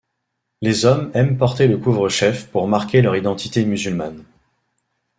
Les hommes aiment porter le couvre-chef pour marquer leur identité musulmane.